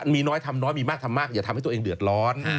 มีน้อยทำน้อยมีมากทำมากอย่าทำให้ตัวเองเดือดร้อน